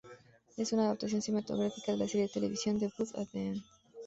Es una adaptación cinematográfica de la serie de televisión "The Booth at the End".